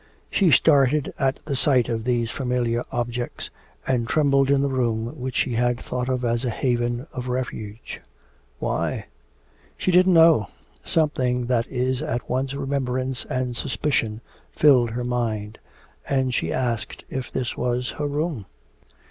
She started at the sight of these familiar objects, and trembled in the room which she had thought of as a haven of refuge. Why? She didn't know; something that is at once remembrance and suspicion filled her mind, and she asked if this was her room?